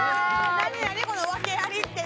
何何このワケありって？